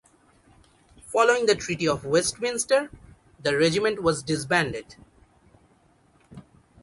Following the Treaty of Westminster the regiment was disbanded.